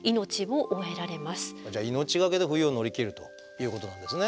じゃあ命がけで冬を乗り切るということなんですね。